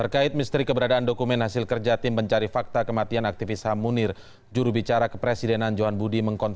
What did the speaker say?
kami akan segera kembali